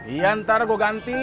iya ntar gua ganti